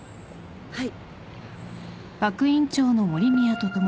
はい。